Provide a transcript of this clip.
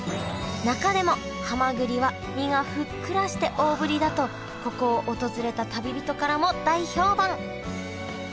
中でもはまぐりは身がふっくらして大ぶりだとここを訪れた旅人からも大評判。